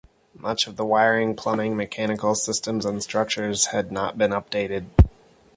Much of the wiring, plumbing, mechanical systems, and structures had not been updated.